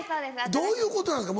どういうことなんですか？